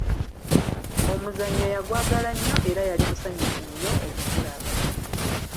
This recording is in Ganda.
Omuzannyo yagwagala nnyo era yali musanyufu nnyo okugulaba!